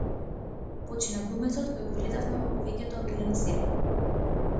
Почина глумецот кој го гледавме во повеќето омилени серии